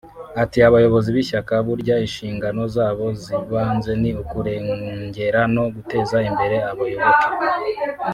Ati “ Abayobozi b’ishyaka burya inshingano zabo z’ibanze ni ukurengera no guteza imbere abayoboke[…]